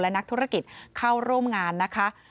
และนักธุรกิจเข้าร่วมงานนะคะ